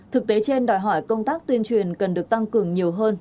thực tế trên đòi hỏi công tác tuyên truyền cần được tăng cường nhiều hơn